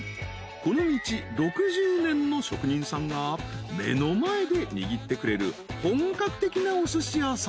［この道６０年の職人さんが目の前で握ってくれる本格的なおすし屋さん］